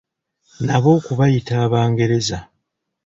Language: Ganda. Nabo okubayita Abangereza.